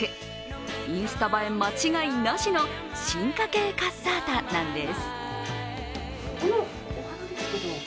インスタ映え間違いなしの進化系カッサータなんです。